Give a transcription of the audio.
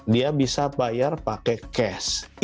dia bisa bayar pakai cash